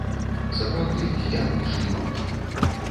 Сапраўды, з ямы ішлі гукі.